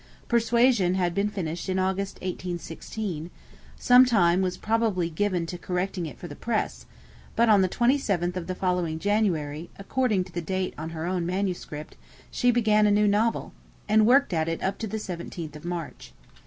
'Persuasion' had been finished in August 1816; some time was probably given to correcting it for the press; but on the 27th of the following January, according to the date on her own manuscript, she began a new novel, and worked at it up to the 17th of March.